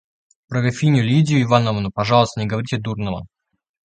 Про графиню Лидию Ивановну, пожалуйста, не говорите дурного.